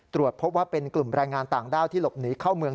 ตรวจพบว่าเป็นกลุ่มแรงงานต่างด้าวที่หลบหนีเข้าเมือง